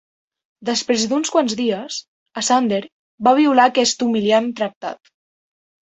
Després d'uns quants dies, Asander va violar aquest humiliant tractat.